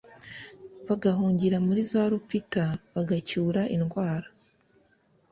bagahungira muri za rupita bagacyura indwara